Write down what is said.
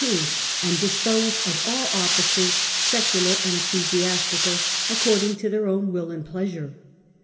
^ king, and disposed of all offices, secular and ecclesiastical, according to their own will and pleasure.